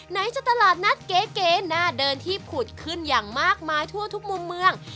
ไหนจะตลาดนัดเก๋หน้าเดินที่ผุดขึ้นอย่างมากมายทั่วทุกมุมเมือง